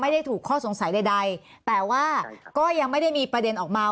ไม่ได้ถูกข้อสงสัยใดแต่ว่าก็ยังไม่ได้มีประเด็นออกมา